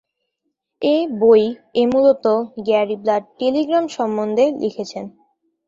এ বই এ মূলত গ্যারি ব্লাড টেলিগ্রাম সম্বন্ধে লিখেছেন।